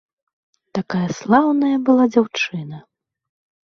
Такая слаўная была дзяўчына!